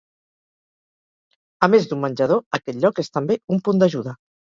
A més d'un menjador, aquest lloc és també un punt d'ajuda.